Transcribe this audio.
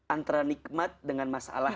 antara nikmat dengan masalah